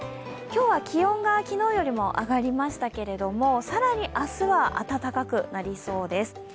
今日は気温が昨日よりも上がりましたけど更に明日は暖かくなりそうです。